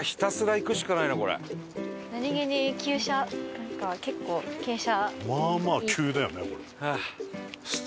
なんか結構傾斜。